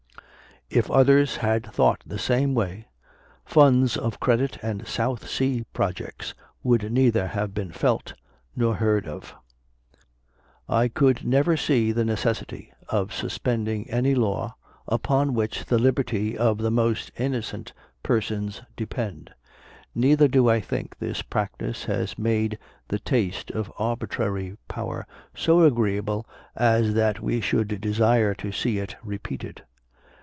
If others had thought the same way, funds of credit and South Sea projects would neither have been felt nor heard of. "I could never see the necessity of suspending any law upon which the liberty of the most innocent persons depend: neither do I think this practice has made the taste of arbitrary power so agreeable as that we should desire to see it repeated.